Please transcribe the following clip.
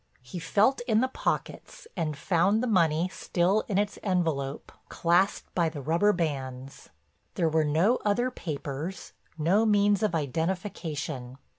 He felt in the pockets and found the money still in its envelope, clasped by the rubber bands. There were no other papers, no means of identification.